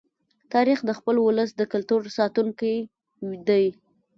تاریخ د خپل ولس د کلتور ساتونکی دی.